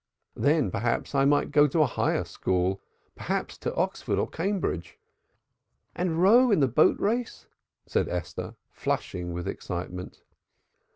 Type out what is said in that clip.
Then, perhaps I might go to a higher school, perhaps to Oxford or Cambridge!" "And row in the boat race!" said Esther, flushing with excitement.